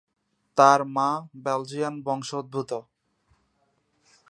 তার মা বেলজিয়ান বংশদ্ভুত।